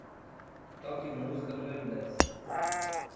Toque música número dez.